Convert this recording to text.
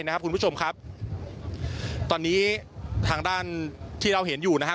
นะครับคุณผู้ชมครับตอนนี้ทางด้านที่เราเห็นอยู่นะครับ